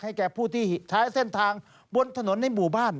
แก่ผู้ที่ใช้เส้นทางบนถนนในหมู่บ้าน